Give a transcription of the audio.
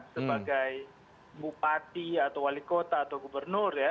sebagai bupati atau wali kota atau gubernur ya